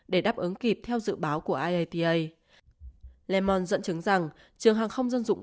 để đáp ứng kịp theo dự báo của iata le monde dẫn chứng rằng trường hàng không dân dụng